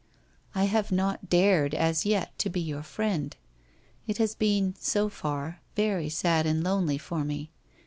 I have not dared, as yet, to be your friend. It has been, so far, very sad and lonely for me.